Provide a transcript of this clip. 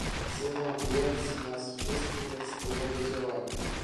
Wzywam więc nas wszystkich do wspólnego działania